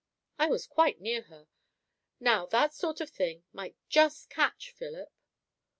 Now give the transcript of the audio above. "I was quite near her. Now that sort of thing might just catch Philip."